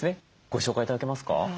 ご紹介頂けますか？